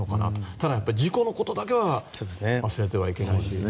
ただ、やっぱり事故のことだけは忘れてはいけないですよね。